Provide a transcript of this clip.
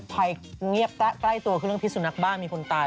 ภัยเงียบใกล้ตัวคือเรื่องพิษสุนัขบ้านมีคนตาย